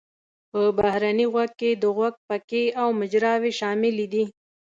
په بهرني غوږ کې د غوږ پکې او مجراوې شاملې دي.